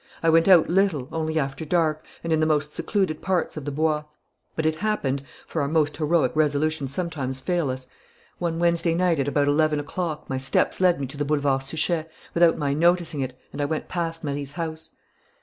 I went out little, only after dark, and in the most secluded parts of the Bois. But it happened for our most heroic resolutions sometimes fail us one Wednesday night, at about eleven o'clock, my steps led me to the Boulevard Suchet, without my noticing it, and I went past Marie's house.